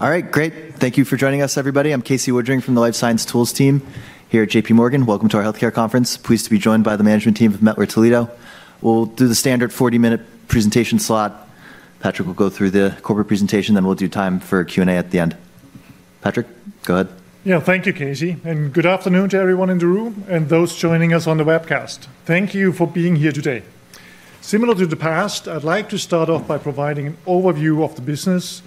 All right, great. Thank you for joining us, everybody. I'm Casey Woodring from the Life Science Tools team here at JPMorgan. Welcome to our healthcare conference. Pleased to be joined by the management team of Mettler-Toledo. We'll do the standard 40-minute presentation slot. Patrick will go through the corporate presentation, then we'll do time for Q&A at the end. Patrick, go ahead. Yeah, thank you, Casey. And good afternoon to everyone in the room and those joining us on the webcast. Thank you for being here today. Similar to the past, I'd like to start off by providing an overview of the business,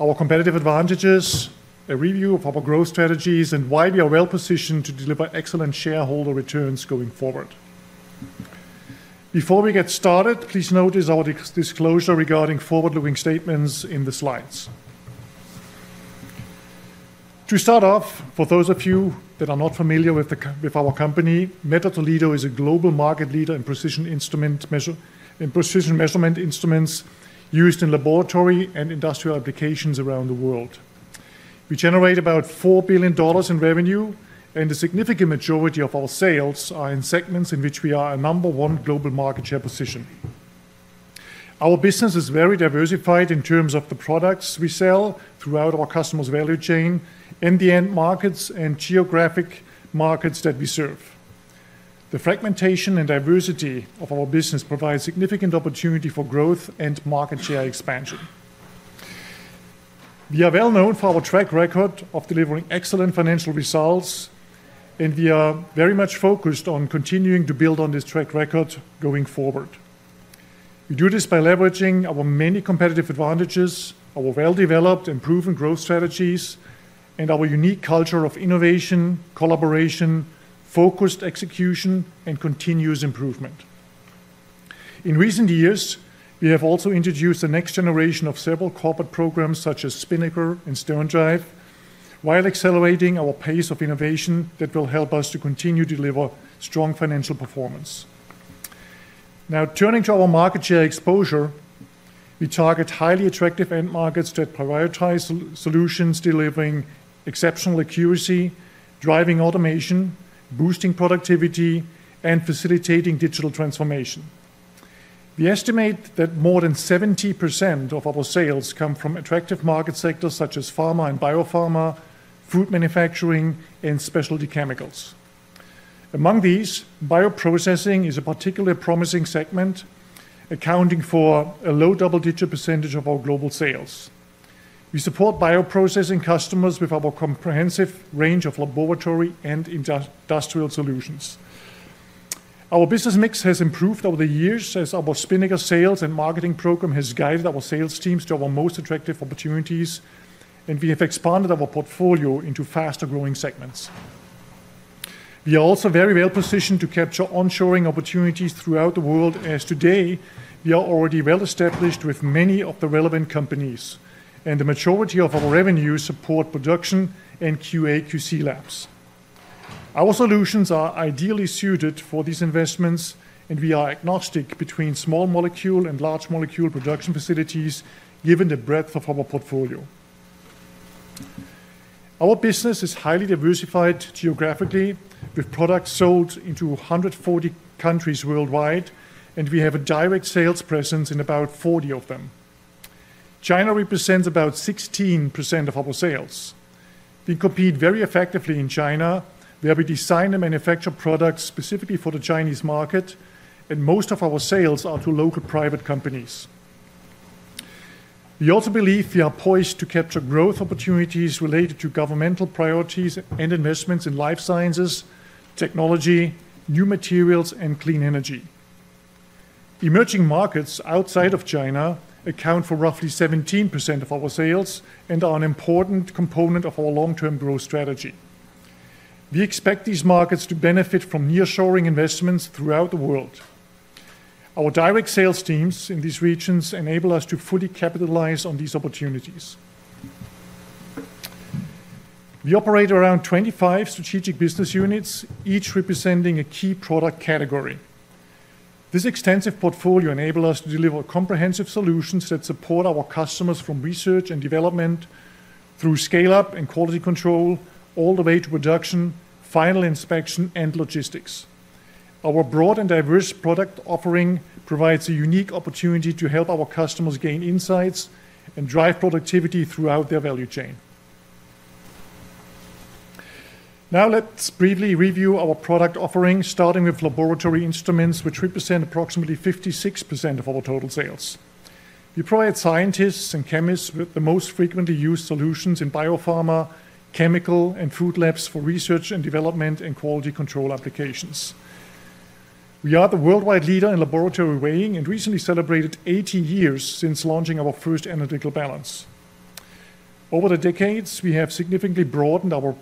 our competitive advantages, a review of our growth strategies, and why we are well positioned to deliver excellent shareholder returns going forward. Before we get started, please notice our disclosure regarding forward-looking statements in the slides. To start off, for those of you that are not familiar with our company, Mettler-Toledo is a global market leader in precision instrument measurement instruments used in laboratory and industrial applications around the world. We generate about $4 billion in revenue, and the significant majority of our sales are in segments in which we are a number one global market share position. Our business is very diversified in terms of the products we sell throughout our customers' value chain and the end markets and geographic markets that we serve. The fragmentation and diversity of our business provide significant opportunity for growth and market share expansion. We are well known for our track record of delivering excellent financial results, and we are very much focused on continuing to build on this track record going forward. We do this by leveraging our many competitive advantages, our well-developed and proven growth strategies, and our unique culture of innovation, collaboration, focused execution, and continuous improvement. In recent years, we have also introduced the next generation of several corporate programs such as Spinnaker and SternDrive while accelerating our pace of innovation that will help us to continue to deliver strong financial performance. Now, turning to our market share exposure, we target highly attractive end markets that prioritize solutions delivering exceptional accuracy, driving automation, boosting productivity, and facilitating digital transformation. We estimate that more than 70% of our sales come from attractive market sectors such as pharma and biopharma, food manufacturing, and specialty chemicals. Among these, bioprocessing is a particularly promising segment, accounting for a low double-digit percentage of our global sales. We support bioprocessing customers with our comprehensive range of laboratory and industrial solutions. Our business mix has improved over the years as our Spinnaker sales and marketing program has guided our sales teams to our most attractive opportunities, and we have expanded our portfolio into faster-growing segments. We are also very well positioned to capture onshoring opportunities throughout the world, as today we are already well established with many of the relevant companies, and the majority of our revenues support production and QA/QC labs. Our solutions are ideally suited for these investments, and we are agnostic between small molecule and large molecule production facilities, given the breadth of our portfolio. Our business is highly diversified geographically, with products sold into 140 countries worldwide, and we have a direct sales presence in about 40 of them. China represents about 16% of our sales. We compete very effectively in China, where we design and manufacture products specifically for the Chinese market, and most of our sales are to local private companies. We also believe we are poised to capture growth opportunities related to governmental priorities and investments in life sciences, technology, new materials, and clean energy. Emerging markets outside of China account for roughly 17% of our sales and are an important component of our long-term growth strategy. We expect these markets to benefit from nearshoring investments throughout the world. Our direct sales teams in these regions enable us to fully capitalize on these opportunities. We operate around 25 strategic business units, each representing a key product category. This extensive portfolio enables us to deliver comprehensive solutions that support our customers from research and development through scale-up and quality control all the way to production, final inspection, and logistics. Our broad and diverse product offering provides a unique opportunity to help our customers gain insights and drive productivity throughout their value chain. Now, let's briefly review our product offering, starting with laboratory instruments, which represent approximately 56% of our total sales. We provide scientists and chemists with the most frequently used solutions in biopharma, chemical, and food labs for research and development and quality control applications. We are the worldwide leader in laboratory weighing and recently celebrated 80 years since launching our first analytical balance. Over the decades, we have significantly broadened our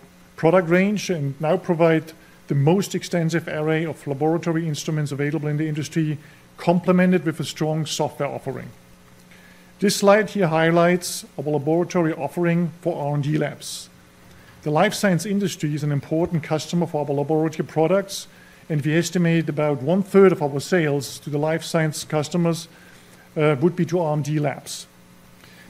product range and now provide the most extensive array of laboratory instruments available in the industry, complemented with a strong software offering. This slide here highlights our laboratory offering for R&D labs. The life science industry is an important customer for our laboratory products, and we estimate about one-third of our sales to the life science customers would be to R&D labs.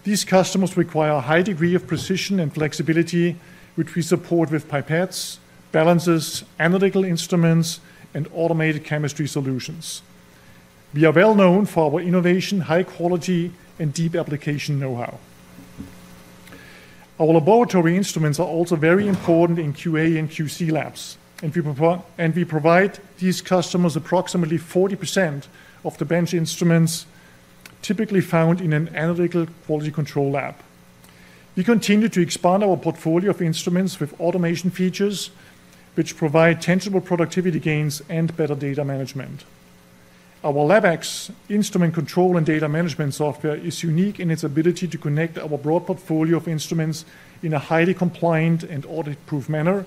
These customers require a high degree of precision and flexibility, which we support with pipettes, balances, analytical instruments, and automated chemistry solutions. We are well known for our innovation, high quality, and deep application know-how. Our laboratory instruments are also very important in QA and QC labs, and we provide these customers approximately 40% of the bench instruments typically found in an analytical quality control lab. We continue to expand our portfolio of instruments with automation features, which provide tangible productivity gains and better data management. Our LabX instrument control and data management software is unique in its ability to connect our broad portfolio of instruments in a highly compliant and audit-proof manner,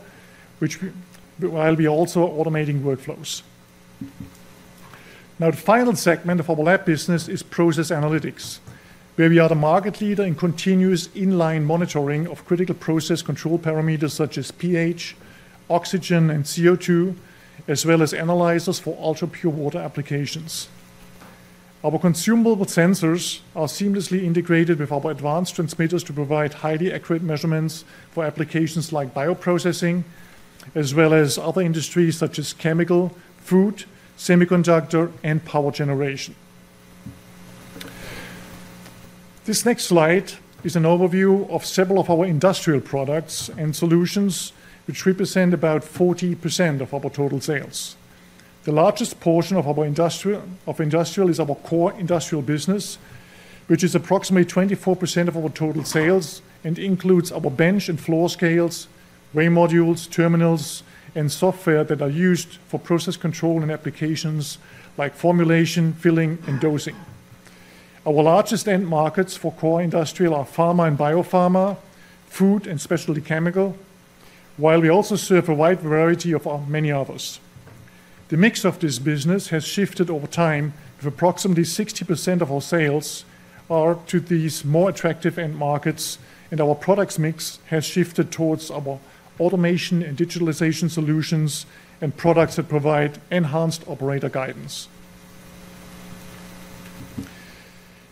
while we are also automating workflows. Now, the final segment of our lab business is process analytics, where we are the market leader in continuous inline monitoring of critical process control parameters such as pH, oxygen, and CO2, as well as analyzers for ultra-pure water applications. Our consumable sensors are seamlessly integrated with our advanced transmitters to provide highly accurate measurements for applications like bioprocessing, as well as other industries such as chemical, food, semiconductor, and power generation. This next slide is an overview of several of our industrial products and solutions, which represent about 40% of our total sales. The largest portion of our industrial is our core industrial business, which is approximately 24% of our total sales and includes our bench and floor scales, weigh modules, terminals, and software that are used for process control and applications like formulation, filling, and dosing. Our largest end markets for core industrial are pharma and biopharma, food, and specialty chemical, while we also serve a wide variety of many others. The mix of this business has shifted over time, with approximately 60% of our sales to these more attractive end markets, and our products mix has shifted towards our automation and digitalization solutions and products that provide enhanced operator guidance.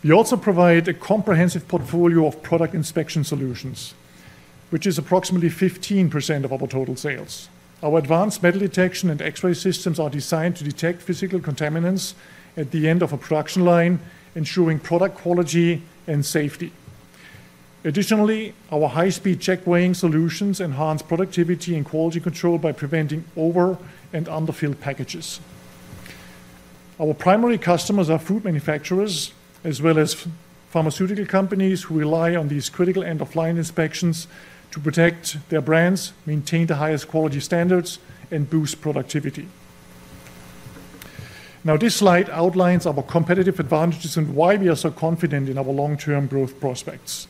We also provide a comprehensive portfolio of product inspection solutions, which is approximately 15% of our total sales. Our advanced metal detection and X-ray systems are designed to detect physical contaminants at the end of a production line, ensuring product quality and safety. Additionally, our high-speed checkweighing solutions enhance productivity and quality control by preventing over- and underfilled packages. Our primary customers are food manufacturers, as well as pharmaceutical companies who rely on these critical end-of-line inspections to protect their brands, maintain the highest quality standards, and boost productivity. Now, this slide outlines our competitive advantages and why we are so confident in our long-term growth prospects.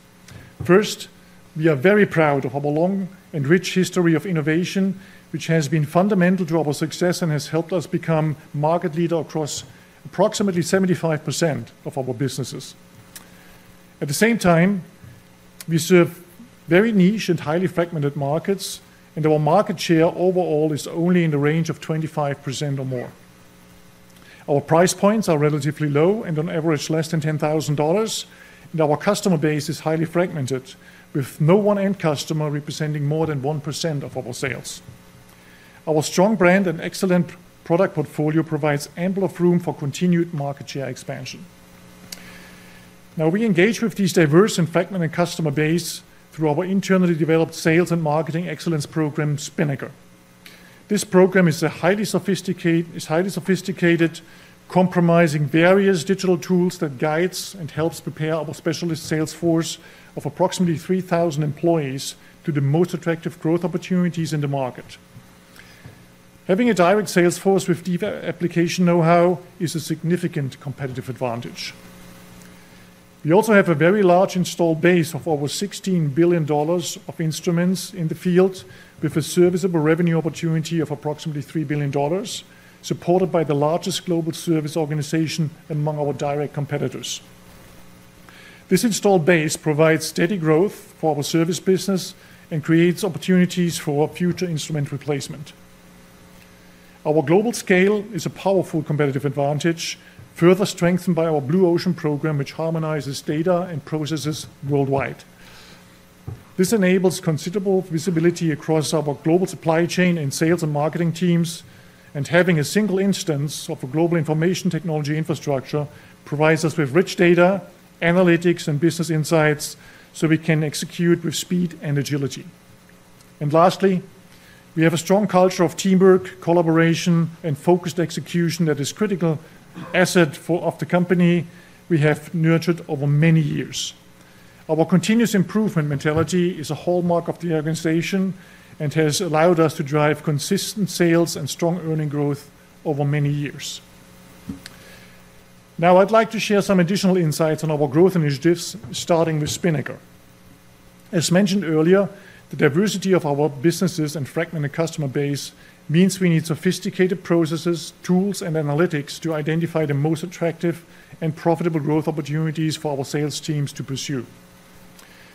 First, we are very proud of our long and rich history of innovation, which has been fundamental to our success and has helped us become a market leader across approximately 75% of our businesses. At the same time, we serve very niche and highly fragmented markets, and our market share overall is only in the range of 25% or more. Our price points are relatively low and on average less than $10,000, and our customer base is highly fragmented, with no one customer representing more than 1% of our sales. Our strong brand and excellent product portfolio provide ample room for continued market share expansion. Now, we engage with these diverse and fragmented customer bases through our internally developed sales and marketing excellence program, Spinnaker. This program is highly sophisticated, comprising various digital tools that guide and help prepare our specialist sales force of approximately 3,000 employees to the most attractive growth opportunities in the market. Having a direct sales force with deep application know-how is a significant competitive advantage. We also have a very large installed base of over $16 billion of instruments in the field, with a serviceable revenue opportunity of approximately $3 billion, supported by the largest global service organization among our direct competitors. This installed base provides steady growth for our service business and creates opportunities for future instrument replacement. Our global scale is a powerful competitive advantage, further strengthened by our Blue Ocean program, which harmonizes data and processes worldwide. This enables considerable visibility across our global supply chain and sales and marketing teams, and having a single instance of a global information technology infrastructure provides us with rich data, analytics, and business insights so we can execute with speed and agility. Lastly, we have a strong culture of teamwork, collaboration, and focused execution that is a critical asset of the company we have nurtured over many years. Our continuous improvement mentality is a hallmark of the organization and has allowed us to drive consistent sales and strong earnings growth over many years. Now, I'd like to share some additional insights on our growth initiatives, starting with Spinnaker. As mentioned earlier, the diversity of our businesses and fragmented customer base means we need sophisticated processes, tools, and analytics to identify the most attractive and profitable growth opportunities for our sales teams to pursue.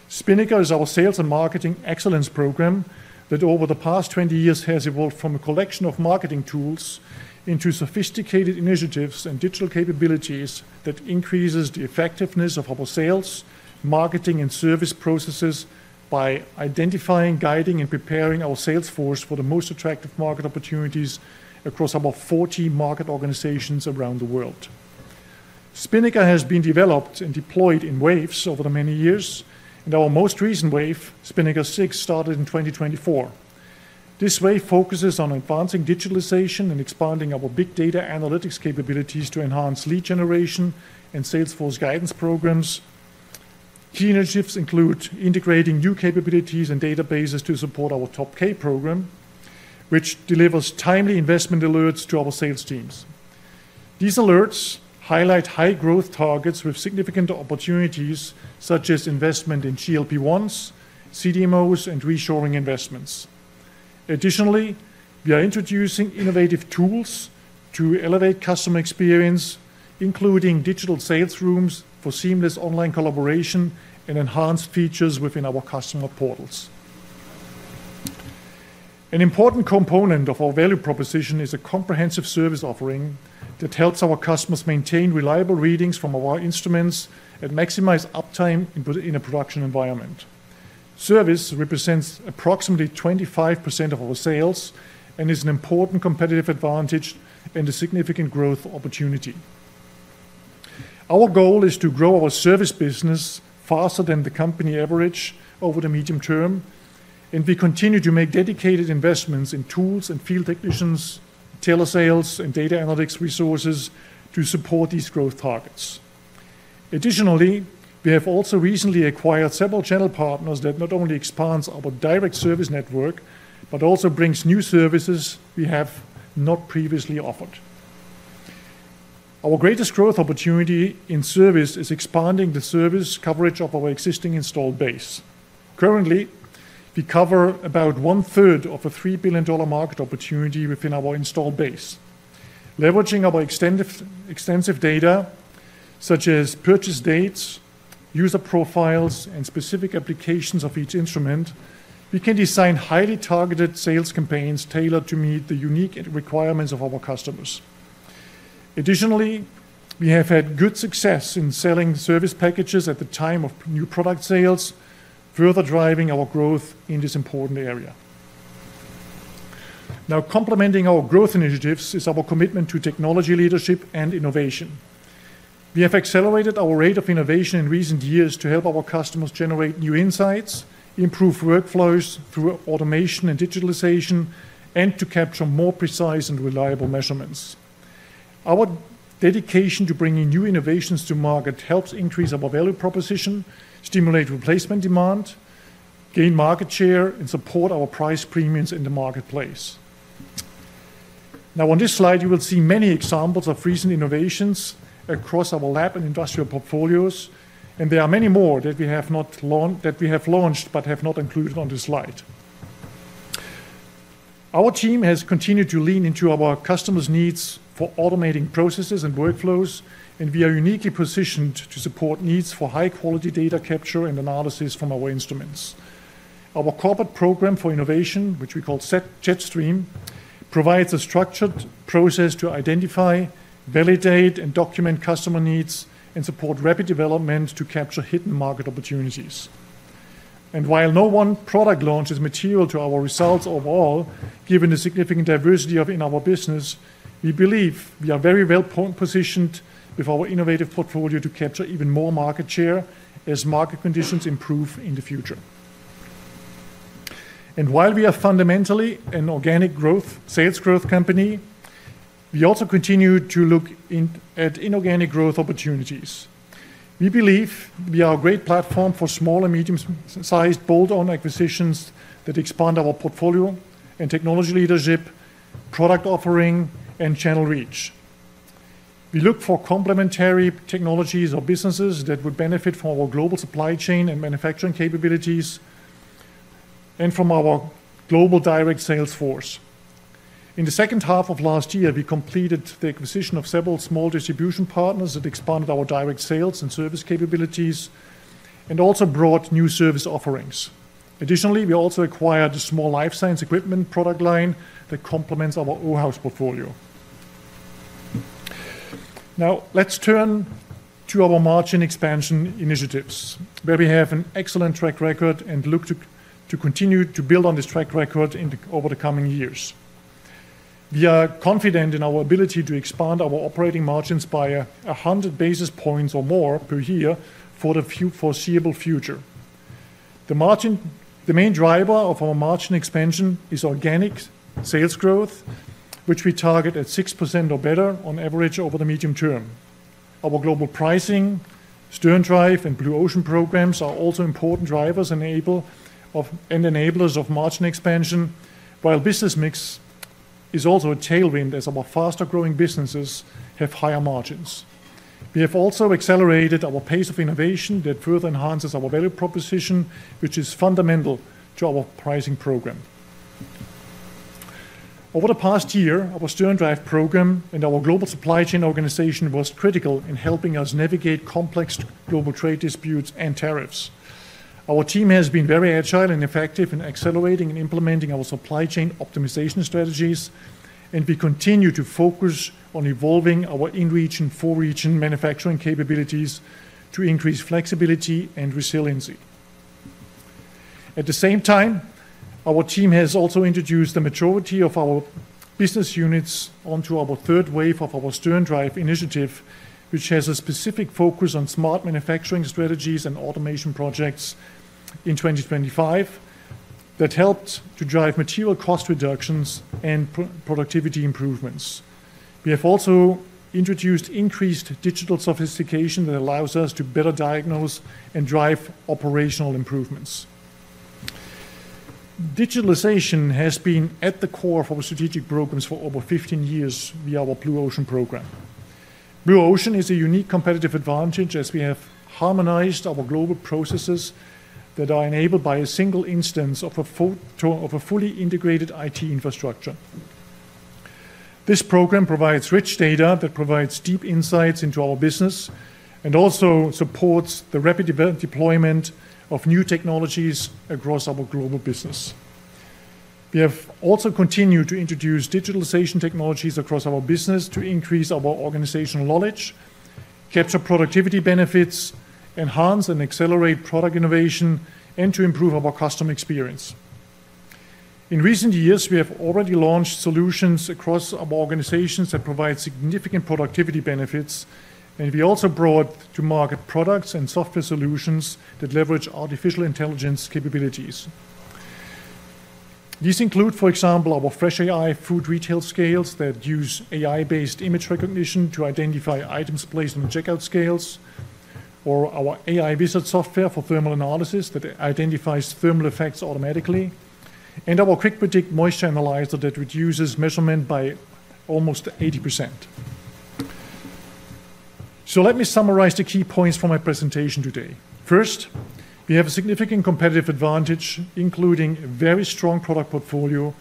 Spinnaker is our sales and marketing excellence program that over the past 20 years has evolved from a collection of marketing tools into sophisticated initiatives and digital capabilities that increase the effectiveness of our sales, marketing, and service processes by identifying, guiding, and preparing our sales force for the most attractive market opportunities across our 14 market organizations around the world. Spinnaker has been developed and deployed in waves over the many years, and our most recent wave, Spinnaker 6, started in 2024. This wave focuses on advancing digitalization and expanding our big data analytics capabilities to enhance lead generation and sales force guidance programs. Key initiatives include integrating new capabilities and databases to support our Top K program, which delivers timely investment alerts to our sales teams. These alerts highlight high-growth targets with significant opportunities, such as investment in GLP-1s, CDMOs, and reshoring investments. Additionally, we are introducing innovative tools to elevate customer experience, including digital sales rooms for seamless online collaboration and enhanced features within our customer portals. An important component of our value proposition is a comprehensive service offering that helps our customers maintain reliable readings from our instruments and maximize uptime in a production environment. Service represents approximately 25% of our sales and is an important competitive advantage and a significant growth opportunity. Our goal is to grow our service business faster than the company average over the medium term, and we continue to make dedicated investments in tools and field technicians, telesales, and data analytics resources to support these growth targets. Additionally, we have also recently acquired several channel partners that not only expand our direct service network but also bring new services we have not previously offered. Our greatest growth opportunity in service is expanding the service coverage of our existing installed base. Currently, we cover about one-third of a $3 billion market opportunity within our installed base. Leveraging our extensive data, such as purchase dates, user profiles, and specific applications of each instrument, we can design highly targeted sales campaigns tailored to meet the unique requirements of our customers. Additionally, we have had good success in selling service packages at the time of new product sales, further driving our growth in this important area. Now, complementing our growth initiatives is our commitment to technology leadership and innovation. We have accelerated our rate of innovation in recent years to help our customers generate new insights, improve workflows through automation and digitalization, and to capture more precise and reliable measurements. Our dedication to bringing new innovations to market helps increase our value proposition, stimulate replacement demand, gain market share, and support our price premiums in the marketplace. Now, on this slide, you will see many examples of recent innovations across our lab and industrial portfolios, and there are many more that we have launched but have not included on this slide. Our team has continued to lean into our customers' needs for automating processes and workflows, and we are uniquely positioned to support needs for high-quality data capture and analysis from our instruments. Our corporate program for innovation, which we call Jetstream, provides a structured process to identify, validate, and document customer needs and support rapid development to capture hidden market opportunities. While no one product launch is material to our results overall, given the significant diversity in our business, we believe we are very well positioned with our innovative portfolio to capture even more market share as market conditions improve in the future. While we are fundamentally an organic growth sales growth company, we also continue to look at inorganic growth opportunities. We believe we are a great platform for small and medium-sized bolt-on acquisitions that expand our portfolio and technology leadership, product offering, and channel reach. We look for complementary technologies or businesses that would benefit from our global supply chain and manufacturing capabilities and from our global direct sales force. In the second half of last year, we completed the acquisition of several small distribution partners that expanded our direct sales and service capabilities and also brought new service offerings. Additionally, we also acquired a small life science equipment product line that complements our OHAUS portfolio. Now, let's turn to our margin expansion initiatives, where we have an excellent track record and look to continue to build on this track record over the coming years. We are confident in our ability to expand our operating margins by 100 basis points or more per year for the foreseeable future. The main driver of our margin expansion is organic sales growth, which we target at 6% or better on average over the medium term. Our global pricing, SternDrive, and Blue Ocean programs are also important drivers and enablers of margin expansion, while business mix is also a tailwind as our faster-growing businesses have higher margins. We have also accelerated our pace of innovation that further enhances our value proposition, which is fundamental to our pricing program. Over the past year, our SternDrive program and our global supply chain organization were critical in helping us navigate complex global trade disputes and tariffs. Our team has been very agile and effective in accelerating and implementing our supply chain optimization strategies, and we continue to focus on evolving our in-region, for-region manufacturing capabilities to increase flexibility and resiliency. At the same time, our team has also introduced the majority of our business units onto our third wave of our SternDrive initiative, which has a specific focus on smart manufacturing strategies and automation projects in 2025 that helped to drive material cost reductions and productivity improvements. We have also introduced increased digital sophistication that allows us to better diagnose and drive operational improvements. Digitalization has been at the core of our strategic programs for over 15 years via our Blue Ocean program. Blue Ocean is a unique competitive advantage as we have harmonized our global processes that are enabled by a single instance of a fully integrated IT infrastructure. This program provides rich data that provides deep insights into our business and also supports the rapid deployment of new technologies across our global business. We have also continued to introduce digitalization technologies across our business to increase our organizational knowledge, capture productivity benefits, enhance and accelerate product innovation, and to improve our customer experience. In recent years, we have already launched solutions across our organizations that provide significant productivity benefits, and we also brought to market products and software solutions that leverage artificial intelligence capabilities. These include, for example, our Fresh AI food retail scales that use AI-based image recognition to identify items placed on checkout scales, or our AI Wizard software for thermal analysis that identifies thermal effects automatically, and our QuickPredict moisture analyzer that reduces measurement by almost 80%. So let me summarize the key points from my presentation today. First, we have a significant competitive advantage, including a very strong product portfolio,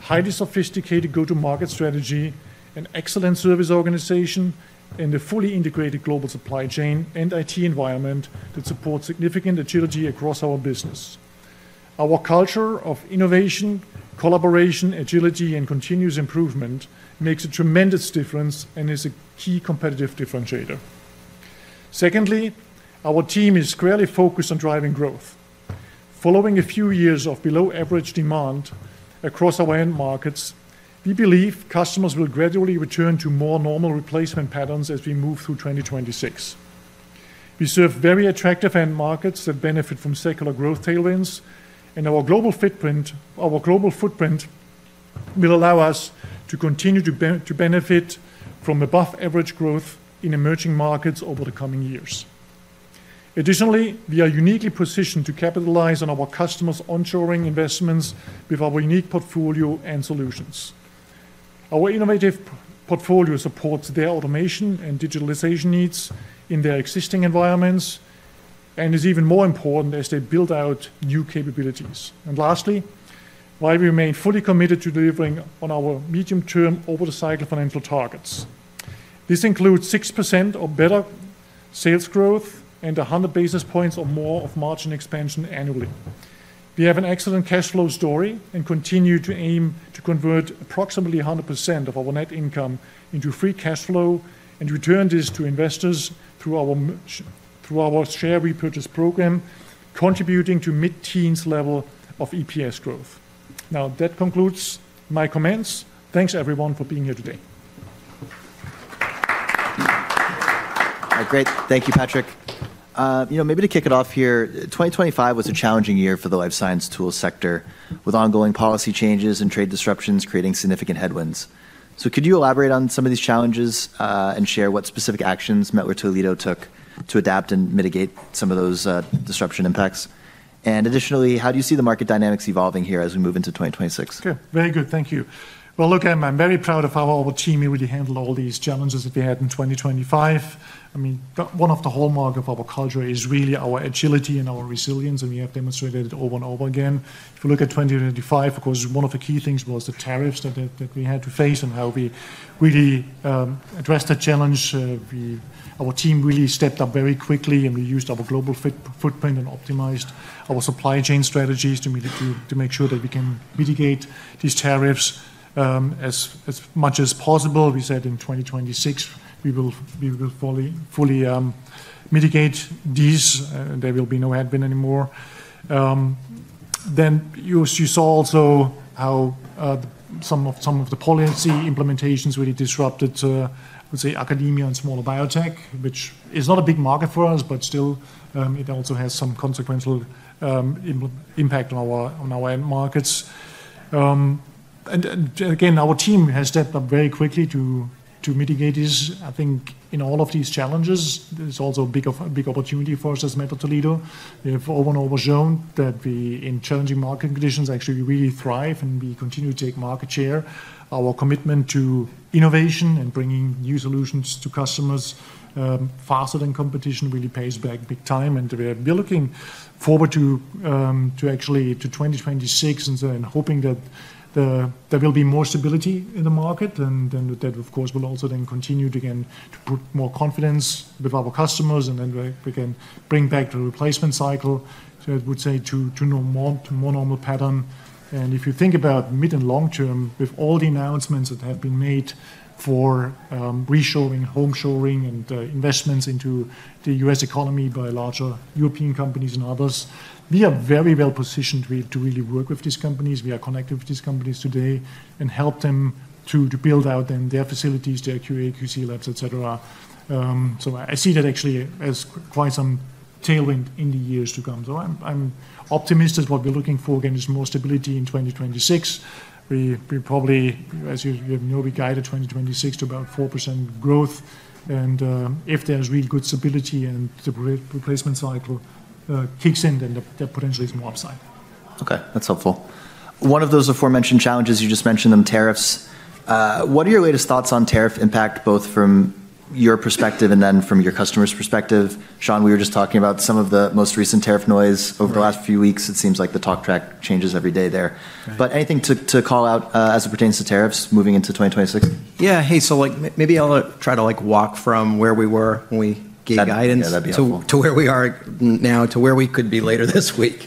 highly sophisticated go-to-market strategy, an excellent service organization, and a fully integrated global supply chain and IT environment that supports significant agility across our business. Our culture of innovation, collaboration, agility, and continuous improvement makes a tremendous difference and is a key competitive differentiator. Secondly, our team is squarely focused on driving growth. Following a few years of below-average demand across our end markets, we believe customers will gradually return to more normal replacement patterns as we move through 2026. We serve very attractive end markets that benefit from secular growth tailwinds, and our global footprint will allow us to continue to benefit from above-average growth in emerging markets over the coming years. Additionally, we are uniquely positioned to capitalize on our customers' onshoring investments with our unique portfolio and solutions. Our innovative portfolio supports their automation and digitalization needs in their existing environments and is even more important as they build out new capabilities. And lastly, while we remain fully committed to delivering on our medium-term over-the-cycle financial targets, this includes 6% or better sales growth and 100 basis points or more of margin expansion annually. We have an excellent cash flow story and continue to aim to convert approximately 100% of our net income into free cash flow and return this to investors through our share repurchase program, contributing to mid-teens level of EPS growth. Now, that concludes my comments. Thanks, everyone, for being here today. Great. Thank you, Patrick. Maybe to kick it off here, 2025 was a challenging year for the life science tools sector, with ongoing policy changes and trade disruptions creating significant headwinds. So could you elaborate on some of these challenges and share what specific actions Mettler-Toledo took to adapt and mitigate some of those disruption impacts? And additionally, how do you see the market dynamics evolving here as we move into 2026? Okay. Very good. Thank you. Well, look, I'm very proud of how our team really handled all these challenges that we had in 2025. I mean, one of the hallmarks of our culture is really our agility and our resilience, and we have demonstrated it over and over again. If we look at 2025, of course, one of the key things was the tariffs that we had to face and how we really addressed that challenge. Our team really stepped up very quickly, and we used our global footprint and optimized our supply chain strategies to make sure that we can mitigate these tariffs as much as possible. We said in 2026, we will fully mitigate these. There will be no headwind anymore. Then you saw also how some of the policy implementations really disrupted, I would say, academia and smaller biotech, which is not a big market for us, but still, it also has some consequential impact on our end markets, and again, our team has stepped up very quickly to mitigate this. I think in all of these challenges, there's also a big opportunity for us as Mettler-Toledo. We have over and over shown that in challenging market conditions, actually, we really thrive, and we continue to take market share. Our commitment to innovation and bringing new solutions to customers faster than competition really pays back big time, and we're looking forward to actually to 2026 and hoping that there will be more stability in the market and that, of course, will also then continue to again to put more confidence with our customers and then we can bring back the replacement cycle, so I would say, to a more normal pattern. And if you think about mid and long term, with all the announcements that have been made for reshoring, onshoring, and investments into the U.S. economy by larger European companies and others, we are very well positioned to really work with these companies. We are connected with these companies today and help them to build out their facilities, their QA/QC labs, etc. So I see that actually as quite some tailwind in the years to come. So I'm optimistic what we're looking for again is more stability in 2026. We probably, as you know, we guided 2026 to about 4% growth. And if there's real good stability and the replacement cycle kicks in, then there potentially is more upside. Okay. That's helpful. One of those aforementioned challenges, you just mentioned them, tariffs. What are your latest thoughts on tariff impact, both from your perspective and then from your customers' perspective? Shawn, we were just talking about some of the most recent tariff noise over the last few weeks. It seems like the talk track changes every day there. But anything to call out as it pertains to tariffs moving into 2026? Yeah. Hey, so maybe I'll try to walk from where we were when we gave guidance to where we are now, to where we could be later this week.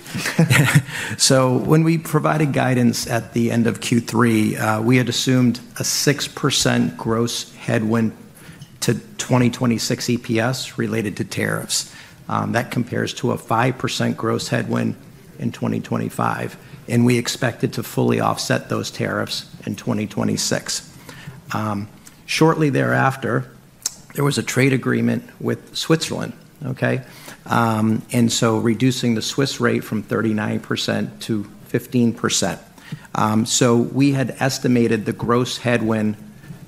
So when we provided guidance at the end of Q3, we had assumed a 6% gross headwind to 2026 EPS related to tariffs. That compares to a 5% gross headwind in 2025, and we expected to fully offset those tariffs in 2026. Shortly thereafter, there was a trade agreement with Switzerland, okay? And so reducing the Swiss rate from 39% to 15%. So we had estimated the gross headwind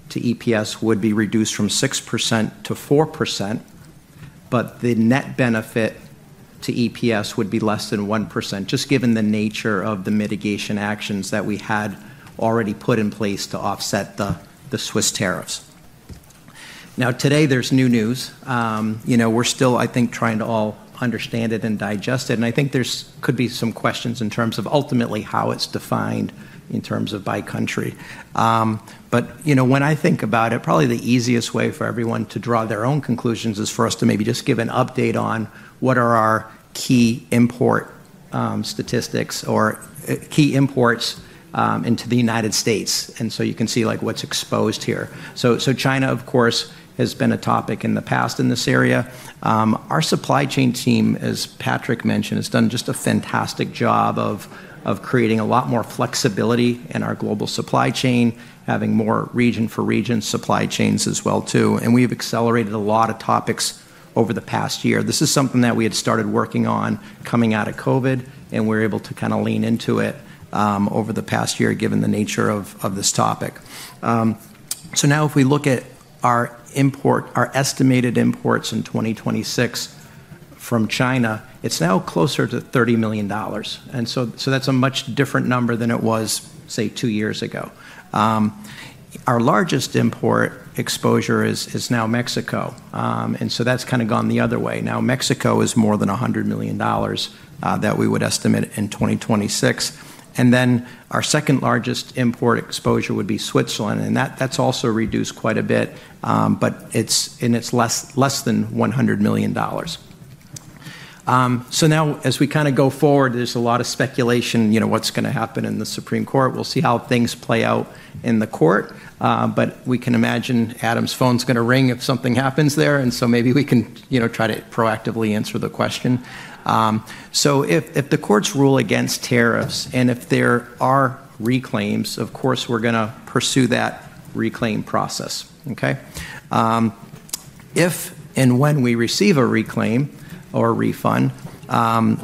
to EPS would be reduced from 6% to 4%, but the net benefit to EPS would be less than 1%, just given the nature of the mitigation actions that we had already put in place to offset the Swiss tariffs. Now, today, there's new news. We're still, I think, trying to all understand it and digest it. And I think there could be some questions in terms of ultimately how it's defined in terms of by country. But when I think about it, probably the easiest way for everyone to draw their own conclusions is for us to maybe just give an update on what are our key import statistics or key imports into the United States. And so you can see what's exposed here. So China, of course, has been a topic in the past in this area. Our supply chain team, as Patrick mentioned, has done just a fantastic job of creating a lot more flexibility in our global supply chain, having more region-for-region supply chains as well, too, and we've accelerated a lot of topics over the past year. This is something that we had started working on coming out of COVID, and we're able to kind of lean into it over the past year, given the nature of this topic. Now, if we look at our estimated imports in 2026 from China, it's now closer to $30 million. That's a much different number than it was, say, two years ago. Our largest import exposure is now Mexico. That's kind of gone the other way. Mexico is more than $100 million that we would estimate in 2026. Our second largest import exposure would be Switzerland. And that's also reduced quite a bit, and it's less than $100 million. So now, as we kind of go forward, there's a lot of speculation what's going to happen in the Supreme Court. We'll see how things play out in the court. But we can imagine Adam's phone's going to ring if something happens there. And so maybe we can try to proactively answer the question. So if the courts rule against tariffs and if there are reclaims, of course, we're going to pursue that reclaim process, okay? If and when we receive a reclaim or a refund,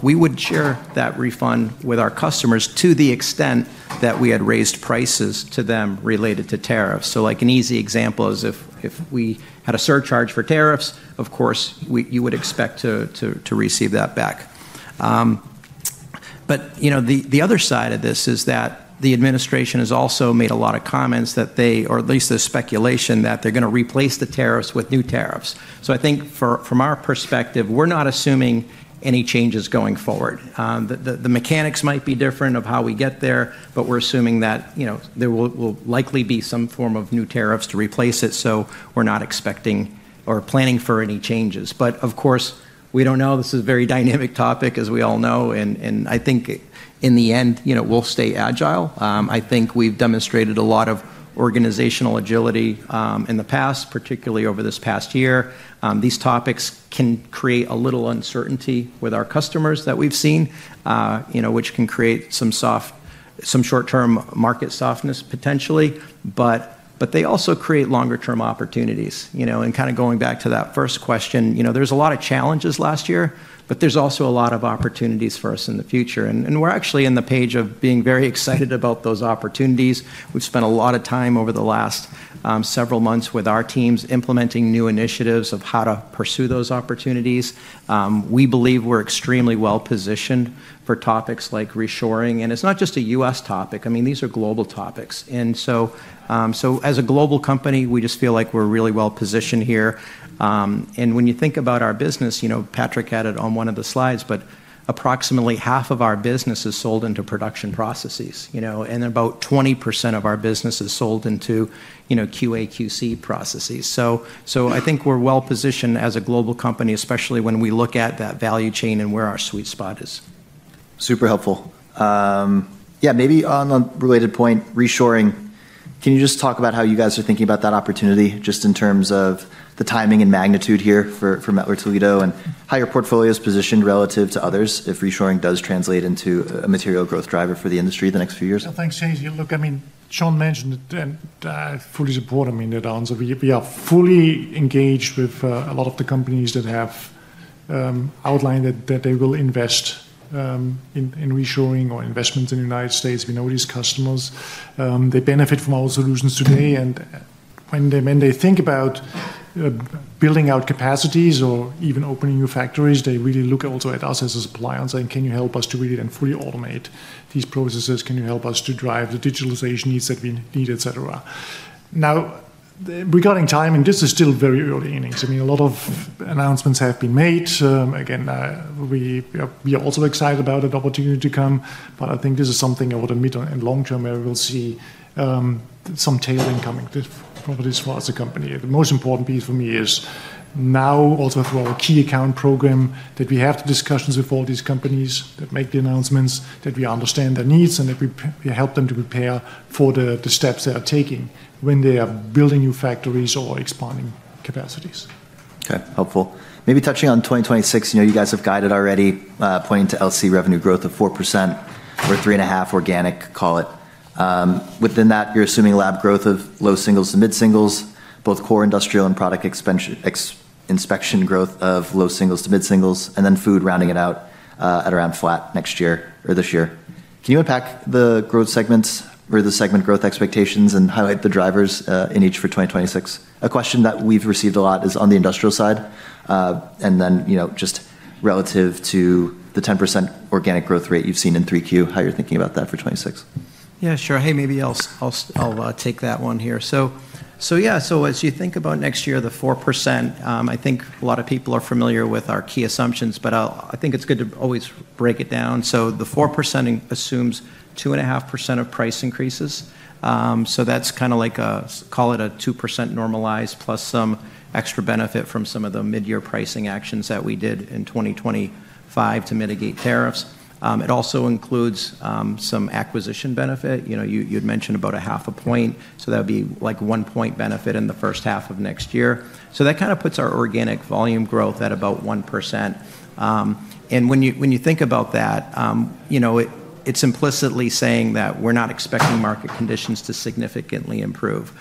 we would share that refund with our customers to the extent that we had raised prices to them related to tariffs. So an easy example is if we had a surcharge for tariffs, of course, you would expect to receive that back. But the other side of this is that the administration has also made a lot of comments that they, or at least there's speculation that they're going to replace the tariffs with new tariffs. So I think from our perspective, we're not assuming any changes going forward. The mechanics might be different of how we get there, but we're assuming that there will likely be some form of new tariffs to replace it. So we're not expecting or planning for any changes. But of course, we don't know. This is a very dynamic topic, as we all know. And I think in the end, we'll stay agile. I think we've demonstrated a lot of organizational agility in the past, particularly over this past year. These topics can create a little uncertainty with our customers that we've seen, which can create some short-term market softness, potentially. But they also create longer-term opportunities. And kind of going back to that first question, there's a lot of challenges last year, but there's also a lot of opportunities for us in the future. And we're actually in the page of being very excited about those opportunities. We've spent a lot of time over the last several months with our teams implementing new initiatives of how to pursue those opportunities. We believe we're extremely well positioned for topics like reshoring. And it's not just a U.S. topic. I mean, these are global topics. And so as a global company, we just feel like we're really well positioned here. And when you think about our business, Patrick had it on one of the slides, but approximately half of our business is sold into production processes, and about 20% of our business is sold into QA/QC processes. So I think we're well positioned as a global company, especially when we look at that value chain and where our sweet spot is. Super helpful. Yeah. Maybe on a related point, reshoring, can you just talk about how you guys are thinking about that opportunity just in terms of the timing and magnitude here for Mettler-Toledo and how your portfolio is positioned relative to others if reshoring does translate into a material growth driver for the industry in the next few years? Thanks, Casey. Look, I mean, Shawn mentioned it, and I fully support him in that answer. We are fully engaged with a lot of the companies that have outlined that they will invest in reshoring or investments in the United States. We know these customers. They benefit from our solutions today. When they think about building out capacities or even opening new factories, they really look also at us as a supplier and say, "Can you help us to really then fully automate these processes? Can you help us to drive the digitalization needs that we need, etc.?" Now, regarding timing, this is still very early innings. I mean, a lot of announcements have been made. Again, we are also excited about the opportunity to come. I think this is something I would admit in long term where we'll see some tailwind coming for this as a company. The most important piece for me is now also through our key account program that we have the discussions with all these companies that make the announcements, that we understand their needs, and that we help them to prepare for the steps they are taking when they are building new factories or expanding capacities. Okay. Helpful. Maybe touching on 2026, you guys have guided already, pointing to LC revenue growth of 4% or 3.5% organic, call it. Within that, you're assuming lab growth of low singles to mid singles, both core industrial and product inspection growth of low singles to mid singles, and then food rounding it out at around flat next year or this year. Can you unpack the growth segments or the segment growth expectations and highlight the drivers in each for 2026? A question that we've received a lot is on the industrial side. Then just relative to the 10% organic growth rate you've seen in 3Q, how you're thinking about that for 2026. Yeah, sure. Hey, maybe I'll take that one here. Yeah, so as you think about next year, the 4%, I think a lot of people are familiar with our key assumptions, but I think it's good to always break it down. The 4% assumes 2.5% of price increases. That's kind of like, call it a 2% normalized plus some extra benefit from some of the mid-year pricing actions that we did in 2025 to mitigate tariffs. It also includes some acquisition benefit. You'd mentioned about a half a point. That would be like one point benefit in the first half of next year. That kind of puts our organic volume growth at about 1%. When you think about that, it's implicitly saying that we're not expecting market conditions to significantly improve.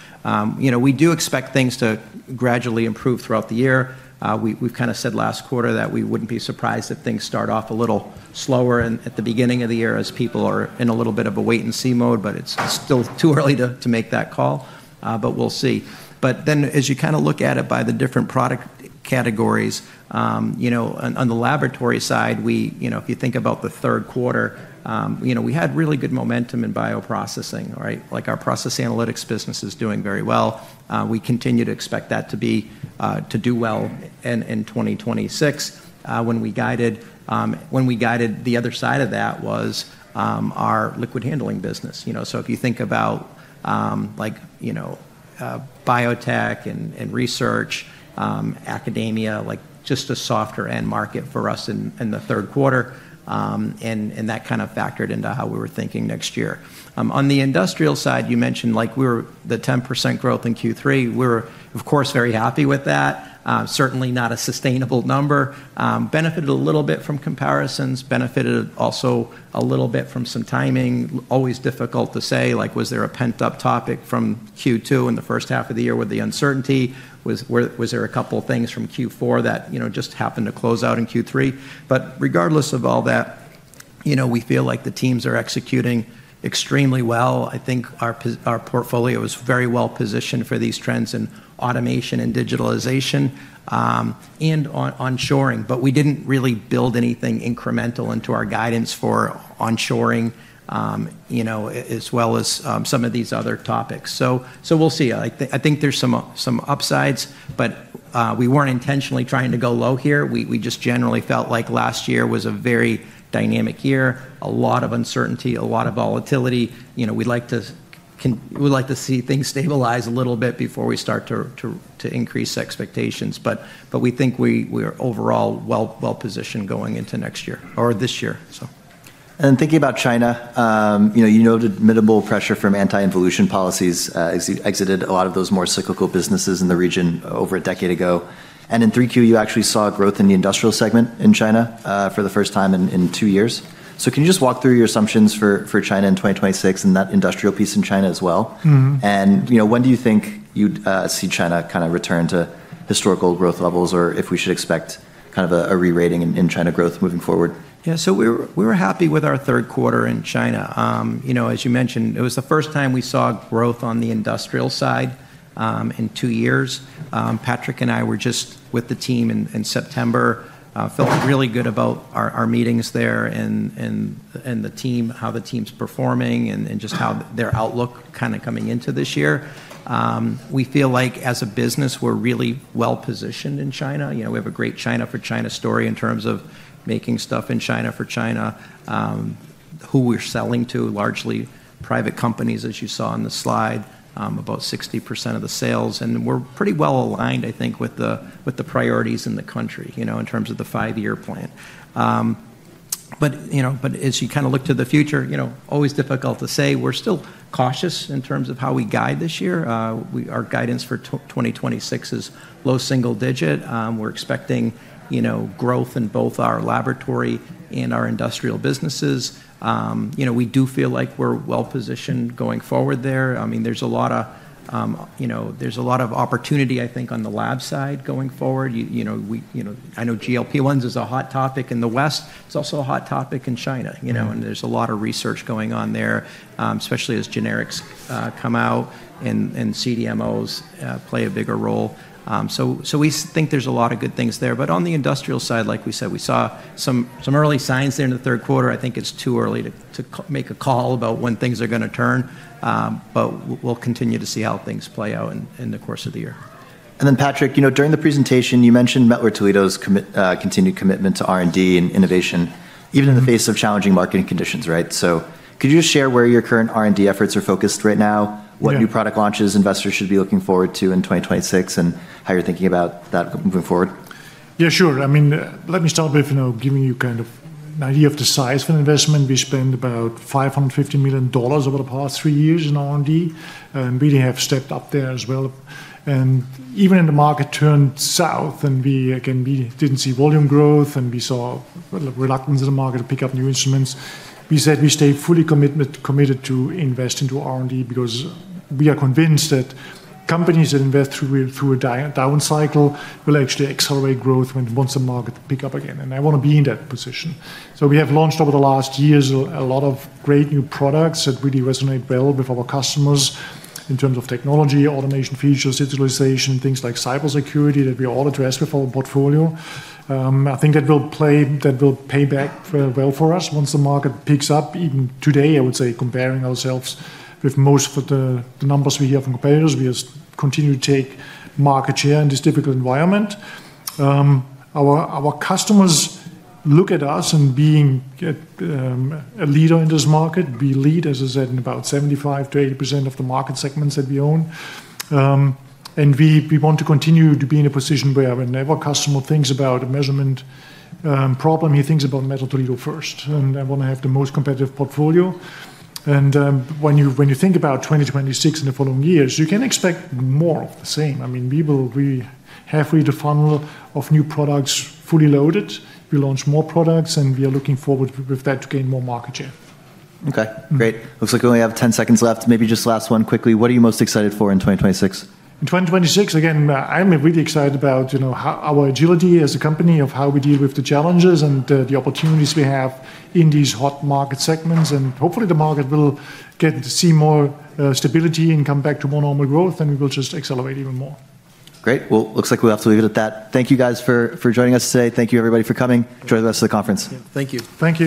We do expect things to gradually improve throughout the year. We've kind of said last quarter that we wouldn't be surprised if things start off a little slower at the beginning of the year as people are in a little bit of a wait-and-see mode, but it's still too early to make that call. We'll see. Then as you kind of look at it by the different product categories, on the laboratory side, if you think about the third quarter, we had really good momentum in bioprocessing, right? Our process analytics business is doing very well. We continue to expect that to do well in 2026. When we guided the other side of that was our liquid handling business. If you think about biotech and research, academia, just a softer end market for us in the third quarter. And that kind of factored into how we were thinking next year. On the industrial side, you mentioned the 10% growth in Q3. We were, of course, very happy with that. Certainly not a sustainable number. Benefited a little bit from comparisons, benefited also a little bit from some timing. Always difficult to say, was there a pent-up demand from Q2 in the first half of the year with the uncertainty? Was there a couple of things from Q4 that just happened to close out in Q3? But regardless of all that, we feel like the teams are executing extremely well. I think our portfolio is very well positioned for these trends in automation and digitalization and onshoring. But we didn't really build anything incremental into our guidance for onshoring as well as some of these other topics. So we'll see. I think there's some upsides, but we weren't intentionally trying to go low here. We just generally felt like last year was a very dynamic year, a lot of uncertainty, a lot of volatility. We'd like to see things stabilize a little bit before we start to increase expectations. But we think we are overall well positioned going into next year or this year, so. And thinking about China, you noted minimal pressure from anti-involution policies, exited a lot of those more cyclical businesses in the region over a decade ago. And in 3Q, you actually saw growth in the industrial segment in China for the first time in two years. So can you just walk through your assumptions for China in 2026 and that industrial piece in China as well? And when do you think you'd see China kind of return to historical growth levels or if we should expect kind of a re-rating in China growth moving forward? Yeah. So we were happy with our third quarter in China. As you mentioned, it was the first time we saw growth on the industrial side in two years. Patrick and I were just with the team in September, felt really good about our meetings there and the team, how the team's performing and just how their outlook kind of coming into this year. We feel like as a business, we're really well positioned in China. We have a great China for China story in terms of making stuff in China for China, who we're selling to, largely private companies, as you saw on the slide, about 60% of the sales. We're pretty well aligned, I think, with the priorities in the country in terms of the five-year plan. But as you kind of look to the future, always difficult to say. We're still cautious in terms of how we guide this year. Our guidance for 2026 is low single digit. We're expecting growth in both our laboratory and our industrial businesses. We do feel like we're well positioned going forward there. I mean, there's a lot of opportunity, I think, on the lab side going forward. I know GLP-1s is a hot topic in the West. It's also a hot topic in China. And there's a lot of research going on there, especially as generics come out and CDMOs play a bigger role. So we think there's a lot of good things there. But on the industrial side, like we said, we saw some early signs there in the third quarter. I think it's too early to make a call about when things are going to turn. But we'll continue to see how things play out in the course of the year. And then, Patrick, during the presentation, you mentioned Mettler-Toledo's continued commitment to R&D and innovation, even in the face of challenging market conditions, right? So could you just share where your current R&D efforts are focused right now, what new product launches investors should be looking forward to in 2026, and how you're thinking about that moving forward? Yeah, sure. I mean, let me start with giving you kind of an idea of the size of an investment. We spent about $550 million over the past three years in R&D and really have stepped up there as well, and even in the market turned south and we didn't see volume growth and we saw reluctance in the market to pick up new instruments. We said we stay fully committed to invest into R&D because we are convinced that companies that invest through a down cycle will actually accelerate growth once the market pick up again. I want to be in that position, so we have launched over the last years a lot of great new products that really resonate well with our customers in terms of technology, automation features, digitalization, things like cybersecurity that we all address with our portfolio. I think that will pay back well for us once the market picks up. Even today, I would say, comparing ourselves with most of the numbers we hear from competitors, we continue to take market share in this difficult environment. Our customers look at us and being a leader in this market, we lead, as I said, in about 75%-80% of the market segments that we own. And we want to continue to be in a position where whenever a customer thinks about a measurement problem, he thinks about Mettler-Toledo first. And I want to have the most competitive portfolio. And when you think about 2026 and the following years, you can expect more of the same. I mean, we will be halfway to the funnel of new products fully loaded. We launch more products and we are looking forward with that to gain more market share. Okay. Great. Looks like we only have 10 seconds left. Maybe just last one quickly. What are you most excited for in 2026? In 2026, again, I'm really excited about our agility as a company of how we deal with the challenges and the opportunities we have in these hot market segments. And hopefully, the market will get to see more stability and come back to more normal growth, and we will just accelerate even more. Great. Well, it looks like we'll have to leave it at that. Thank you, guys, for joining us today. Thank you, everybody, for coming. Enjoy the rest of the conference. Thank you. Thank you.